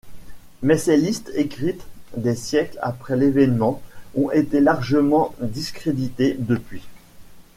Mais ces listes, écrites des siècles après l'événement, ont été largement discréditées depuis.